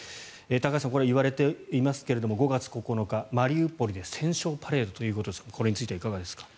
高橋さん、言われていますけど５月９日、マリウポリで戦勝パレードということですがこれについてはいかがですか。